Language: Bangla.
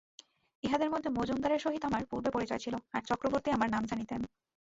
ইঁহাদের মধ্যে মজুমদারের সহিত আমার পূর্বে পরিচয় ছিল, আর চক্রবর্তী আমার নাম জানিতেন।